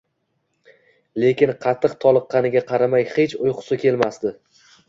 . Lekin qattiq toliqqaniga qaramay hech uyqusi kelmasdi.